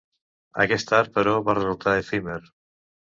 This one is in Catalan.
Aquest art, però, va resultar efímer.